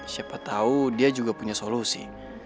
siapa tahu dia juga punya solusi